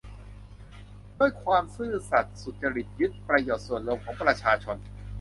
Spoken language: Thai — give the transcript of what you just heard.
ด้วยความซื่อสัตย์ สุจริต ยึดประโยชน์ส่วนรวมของประชาชน